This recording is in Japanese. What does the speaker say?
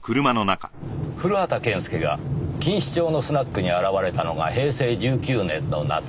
古畑健介が錦糸町のスナックに現れたのが平成１９年の夏。